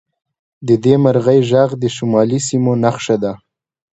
د دې مرغۍ غږ د شمالي سیمو نښه ده